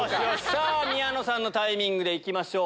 さぁ宮野さんのタイミングでいきましょう。